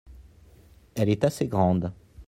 elle est assez grande.